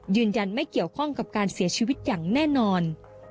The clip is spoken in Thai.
ยืนยันไม่เกี่ยวข้องกับการเสียชีวิตอย่างแน่นอน